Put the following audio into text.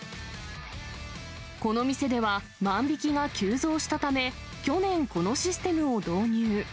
この店では万引きが急増したため、去年、このシステムを導入。